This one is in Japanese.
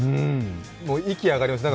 息上がりますよね